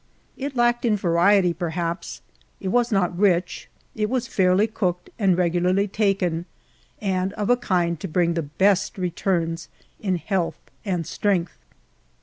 It lacked in variety, perhaps ; it was not rich ; it was fairly cooked and regularly taken, and of a kind to bring the best returns in health and strength.